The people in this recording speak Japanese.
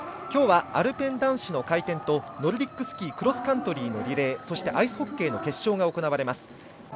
今日はアルペン男子の回転とノルディックスキークロスカントリーのリレーそして、アイスホッケーの決勝が行われます。